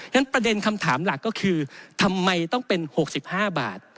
ประเด็นคำถามหลักก็คือทำไมต้องเป็น๖๕บาท